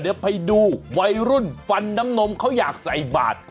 เดี๋ยวไปดูวัยรุ่นฟันน้ำนมเขาอยากใส่บาท